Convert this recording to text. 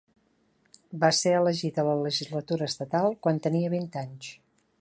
Va ser elegit a la legislatura estatal quan tenia vint anys.